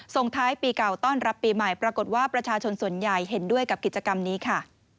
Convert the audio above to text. ส่งท้ายปีเก่าต้อนรับปีใหม่ปรากฏว่าประชาชนส่วนใหญ่เห็นด้วยกับกิจกรรมนี้ค่ะ